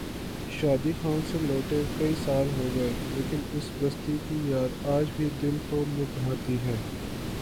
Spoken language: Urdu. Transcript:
شادی خان سے لوٹے کئی سال ہو گئے لیکن اس بستی کی یاد آج بھی دل کو لبھاتی ہے۔